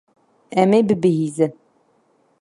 Em ê bibihîzin.